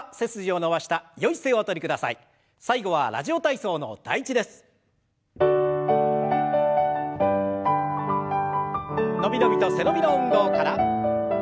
伸び伸びと背伸びの運動から。